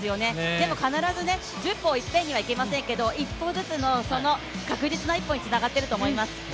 でも、必ず１０歩を一遍にはいけませんけど一歩ずつのその確実な一歩につながってると思います。